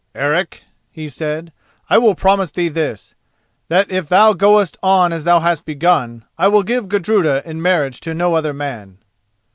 "Eric," he said, "I will promise thee this, that if thou goest on as thou hast begun, I will give Gudruda in marriage to no other man."